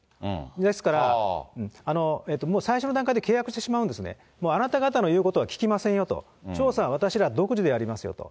ですから、もう最初の段階で契約してしまうんですね、あなた方の言うことは聞きませんよと、調査は私ら独自でやりますよと。